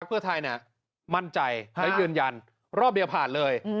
เพื่อไทยมั่นใจและยืนยันรอบเดียวผ่านเลย